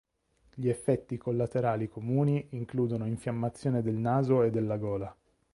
Gli effetti collaterali comuni includono infiammazione del naso e della gola.